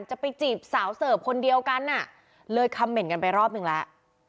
ไปจีบสาวเสิร์ฟคนเดียวกันอ่ะเลยคำเหน่นกันไปรอบนึงแล้ว